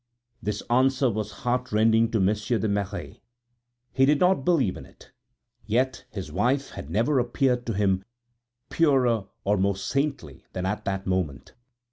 This answer was heartrending to Monsieur de Merret; he did not believe in it. Yet his wife had never appeared to him purer or more saintly than at that moment.